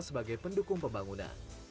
sebagai pendukung pembangunan